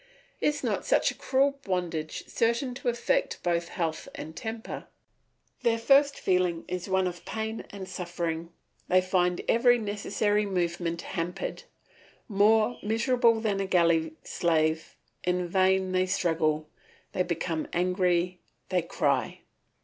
Is not such a cruel bondage certain to affect both health and temper? Their first feeling is one of pain and suffering; they find every necessary movement hampered; more miserable than a galley slave, in vain they struggle, they become angry, they cry.